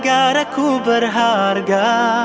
agar aku berharga